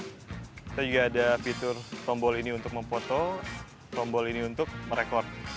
kita juga ada fitur tombol ini untuk memfoto tombol ini untuk merekod